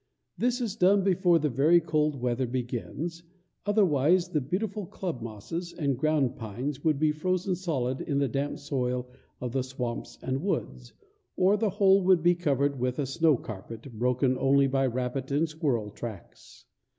This is done before the very cold weather begins, otherwise the beautiful club mosses and ground pines would be frozen solid in the damp soil of the swamps and woods, or the whole would be covered with a snow carpet, broken only by rabbit and squirrel tracks.